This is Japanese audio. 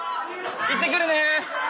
いってくるね！